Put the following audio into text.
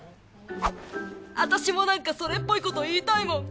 私もなんかそれっぽいこと言いたいもん